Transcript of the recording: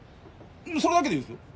それだけでいいですよ